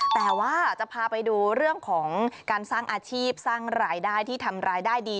แต่ว่าจะพาไปดูเรื่องของการสร้างอาชีพสร้างรายได้ที่ทำรายได้ดี